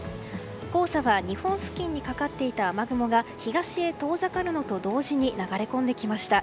黄砂は日本付近にかかっていた雨雲が東へ遠ざかるのと同時に流れ込んできました。